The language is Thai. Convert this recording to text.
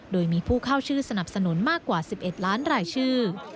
โดยมีผู้เข้าชื่อสนับสนุนมากกว่า๑๑ล้านรายชื่อ